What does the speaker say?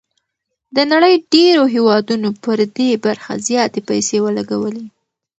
د نړۍ ډېرو هېوادونو پر دې برخه زياتې پيسې ولګولې.